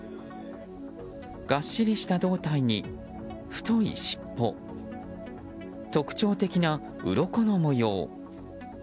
がっしりした胴体に、太いしっぽ特徴的な、うろこの模様。